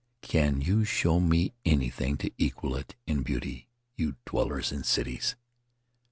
Can you show me anything to equal it in beauty, you dwellers in cities?